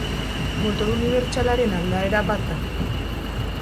Motor unibertsalaren aldaera bat da.